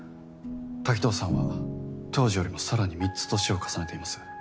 滝藤さんは当時よりも更に３つ年を重ねています。